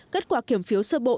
kết quả kiểm phiếu sơ bộ